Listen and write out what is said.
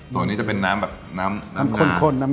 ส่วนนี้จะเป็นน้ำแบบน้ำงา